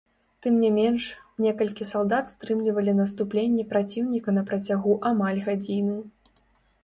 Тым не менш, некалькі салдат стрымлівалі наступленне праціўніка на працягу амаль гадзіны.